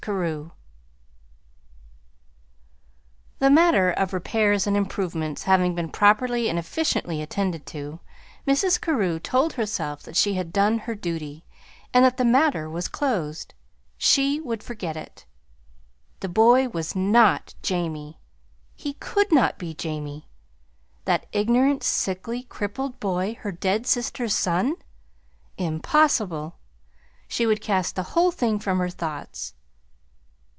CAREW The matter of repairs and improvements having been properly and efficiently attended to, Mrs. Carew told herself that she had done her duty, and that the matter was closed. She would forget it. The boy was not Jamie he could not be Jamie. That ignorant, sickly, crippled boy her dead sister's son? Impossible! She would cast the whole thing from her thoughts.